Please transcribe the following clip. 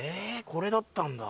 これだったんだ。